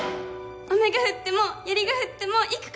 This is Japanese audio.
雨が降っても槍が降っても行くから！